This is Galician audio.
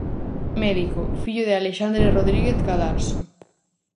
Médico, fillo de Alexandre Rodríguez Cadarso.